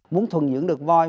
muốn thuần dưỡng được voi